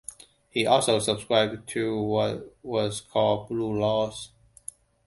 He also subscribed to what was called "Blue Laws".